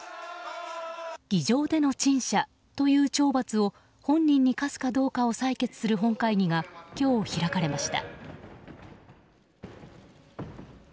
議場での陳謝という懲罰を本人に科すかどうかを採決する本会議が今日、開かれました。